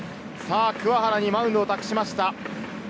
鍬原にマウンドを託しました。